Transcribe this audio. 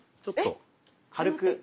ちょっと軽く。